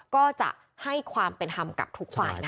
ก็จะให้ความเป็นธรรมกับทุกฝ่ายนะคะ